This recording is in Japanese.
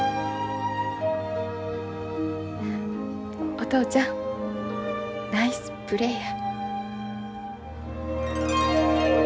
お父ちゃんナイスプレーや。